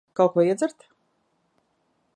Kaut ko iedzert?